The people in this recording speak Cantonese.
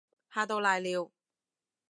嚇到瀨尿